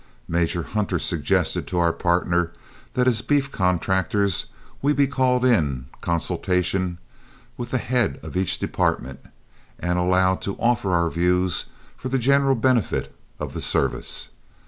Major Hunter suggested to our partner that as beef contractors we be called in consultation with the head of each department, and allowed to offer our views for the general benefit of the service.